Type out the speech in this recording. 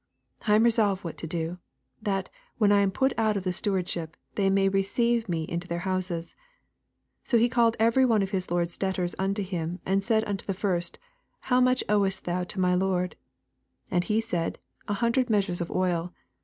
4 I am resolved what to do, that, when I am put out of the stewardship, tliey may receive me into their houses. 5 So he called ever^ one of his lord's debtors unto htm, and said unto the first, How much owest thou onto my lord ? 6 And he said, An hundred meas ures of oil.